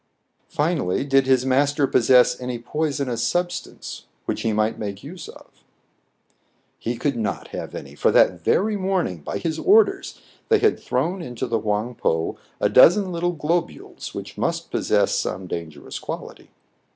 Finally, did his master possess any poisonous substance which he might make use of } He could not have any ; for that very morning, by his orders, they had thrown into the Houang Pou a dozen little globules which must possess some dangerous quality.